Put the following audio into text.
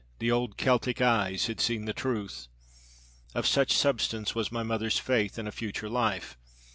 The old Celtic eyes had seen the truth. Of such substance was my mother's faith in a future life.